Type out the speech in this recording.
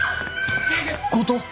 強盗？